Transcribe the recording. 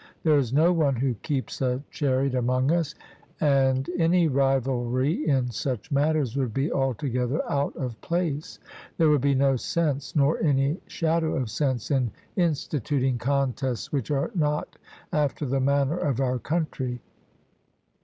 There is no one who keeps a chariot among us, and any rivalry in such matters would be altogether out of place; there would be no sense nor any shadow of sense in instituting contests which are not after the manner of our country.